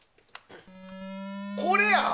これや！